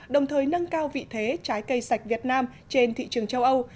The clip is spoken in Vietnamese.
đồng thời nâng cao vị thế trái cây sạch việt nam trên thị trường châu âu